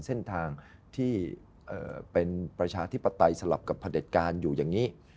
เส้นทางที่เป็นประชาธิปไตยสลับกับพระเด็จการอยู่อย่างนี้